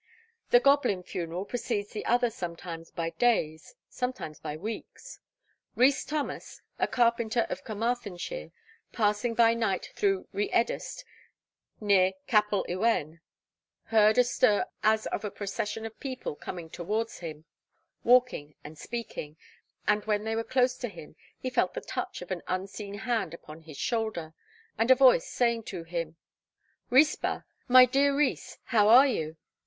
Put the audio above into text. The goblin funeral precedes the other sometimes by days, sometimes by weeks. Rees Thomas, a carpenter of Carmarthenshire, passing by night through Rhiw Edwst, near Capel Ywen, heard a stir as of a procession of people coming towards him, walking and speaking; and when they were close to him he felt the touch of an unseen hand upon his shoulder, and a voice saying to him, 'Rhys bach, pa fodd yr y'ch chwi?' (my dear Rees, how are you?)